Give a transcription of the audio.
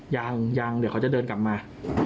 ยังยังเดี๋ยวเขาจะเดินกลับมา